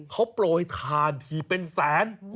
เขาโปรยทานทีเป็นแสน